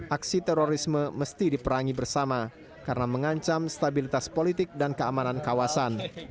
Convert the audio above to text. aksi terorisme mesti diperangi bersama karena mengancam stabilitas politik dan keamanan kawasan